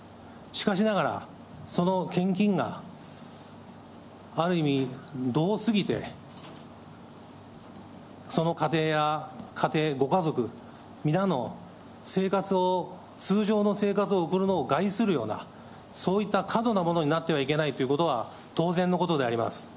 しかしながら、その献金がある意味、度を過ぎて、その家庭やご家族皆の生活を、通常の生活を送るのを害するような、そういった過度なものになってはいけないということは当然のことであります。